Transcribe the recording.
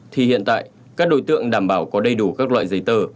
thì hiện tại các đối tượng đảm bảo có đầy đủ các loại giấy tờ